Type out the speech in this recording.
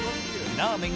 ラーメン？